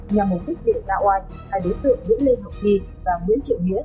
nhằm mục đích đề ra oai hai đối tượng nguyễn lê học nhi và nguyễn triệu nghĩa